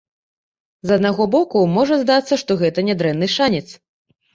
З аднаго боку, можа здацца, што гэта нядрэнны шанец.